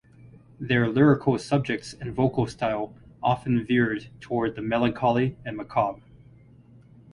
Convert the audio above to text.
Their lyrical subjects and vocal style often veered towards the melancholy and macabre.